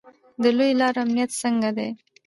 د لویو لارو امنیت څنګه دی؟